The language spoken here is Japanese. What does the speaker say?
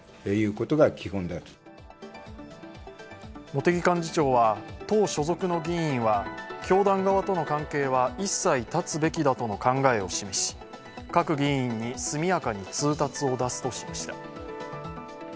茂木幹事長は党所属の議員は教団側との関係は一切断つべきだとの考えを示し各議員に速やかに通達を出すとしました。